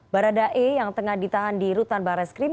barada e yang tengah ditahan di rutan bareskrim